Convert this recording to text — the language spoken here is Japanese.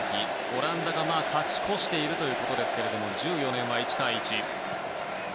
オランダが勝ち越しているということですが２０１４年は１対１。